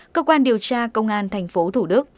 hai cơ quan điều tra công an tp thủ đức